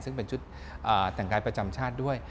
ซึ่งเป็นชุดแต่งกายประจำชาติด้วย